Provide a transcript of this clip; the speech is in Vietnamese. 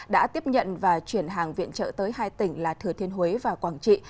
đã tiếp nhận và chuyển hàng viện trợ tới hai tỉnh là thừa thiên huế và quảng trị